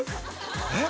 えっ！？